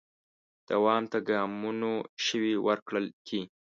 دوام ته ګامونو شوي ورکړل کې